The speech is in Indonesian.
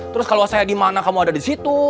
terus kalau saya di mana kamu ada di situ